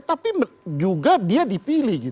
tapi juga dia dipilih